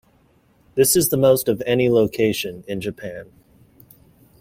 This is the most of any location in Japan.